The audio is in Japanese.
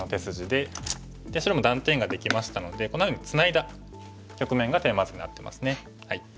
で白も断点ができましたのでこんなふうにツナいだ局面がテーマ図になってますね。